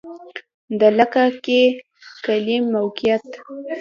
د لکه کی کلی موقعیت